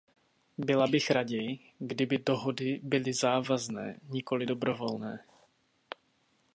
Byla bych raději, kdyby dohody byly závazné, nikoli dobrovolné.